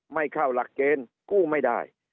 ไม่เข้าหลักเกณฑ์กู้ไม่ได้